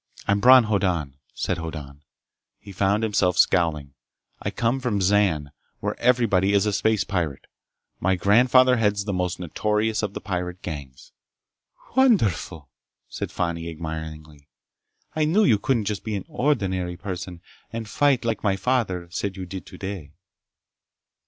"I'm Bron Hoddan," said Hoddan. He found himself scowling. "I come from Zan, where everybody is a space pirate. My grandfather heads the most notorious of the pirate gangs." "Wonderful!" said Fani, admiringly. "I knew you couldn't be just an ordinary person and fight like my father said you did today!"